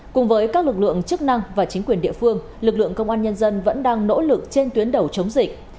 cùng với các lực lượng chức năng và chính quyền địa phương lực lượng công an nhân dân vẫn đang nỗ lực trên tuyến đầu chống dịch